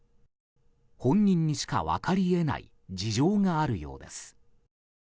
本人しか分かり得ない事情があるようです。